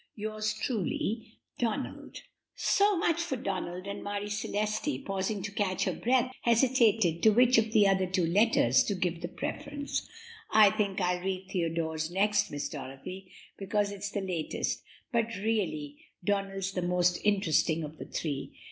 "'Yours truly, "'Donald.'" [Illustration: 0211] "So much for Donald;" and Marie Celeste, pausing to catch her breath, hesitated to which of the other two letters to give the preference. "I think I'll read Theodore's next, Miss Dorothy, because it's the latest, but really Donald's the most interesting of the three.